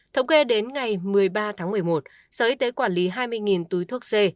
thống kê đến ngày một mươi ba tháng một mươi một sở y tế quản lý hai mươi túi thuốc c